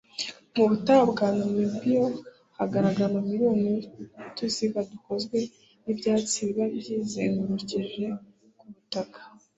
Mu butayu bwa Namibia hagaragara amamiliyoni y’utuziga dukozwe n’ibyatsi biba byizengurukije ku butaka